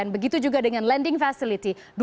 begitu juga dengan lending facility